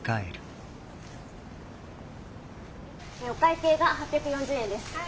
お会計が８４０円です。